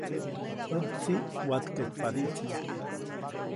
ʼÄjtsi watkeʼtpadiʼtsi.